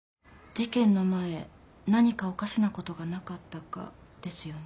事件の前何かおかしなことがなかったかですよね。